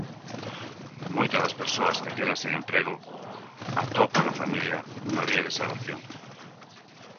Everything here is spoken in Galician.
Moitas das persoas que quedan sen emprego atopan na familia unha vía de salvación.